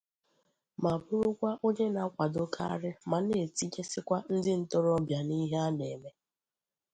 ma bụrụkwa onye na-akwàdokarị ma na-etinyesikwa ndị ntorobịa n'ihe a na-eme